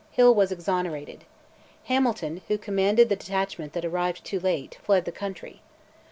Hill was exonerated. Hamilton, who commanded the detachment that arrived too late, fled the country.